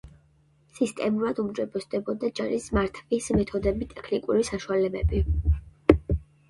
სისტემატურად უმჯობესდებოდა ჯარის მართვის მეთოდები, ტექნიკური საშუალებები.